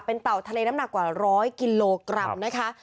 เป็นเต่าทะเลน้ำหนักกว่าร้อยกิโลกรัมนะคะ